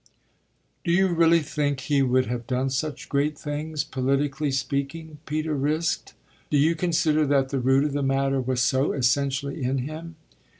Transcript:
"Do you really think he would have done such great things, politically speaking?" Peter risked. "Do you consider that the root of the matter was so essentially in him?"